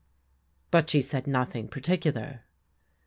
But she said nothing particular?